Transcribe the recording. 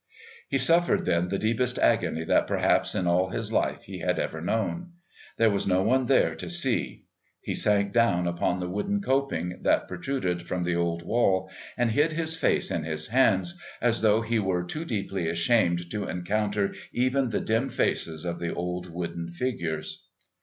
He suffered then the deepest agony that perhaps in all his life he had ever known. There was no one there to see. He sank down upon the wooden coping that protruded from the old wall and hid his face in his hands as though he were too deeply ashamed to encounter even the dim faces of the old wooden figures.